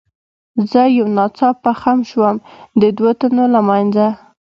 زه یو ناڅاپه خم شوم، د دوو تنو له منځه.